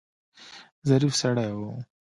ظریف سړی و.